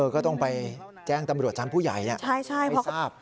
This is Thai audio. ก็ต้องไปแจ้งตำรวจชั้นผู้ใหญ่ไม่ทราบ